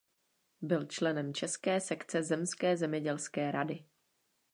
Byl členem české sekce zemské zemědělské rady.